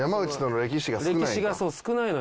歴史がそう少ないのよ。